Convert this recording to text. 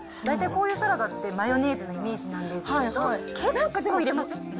大体こういうサラダって、マヨネーズのイメージなんですけど、結構入れません？